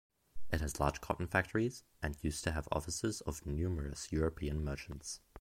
It has large cotton factories and used to have offices of numerous European merchants.